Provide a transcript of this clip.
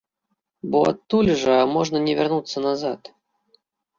Бо адтуль жа можна не вярнуцца назад.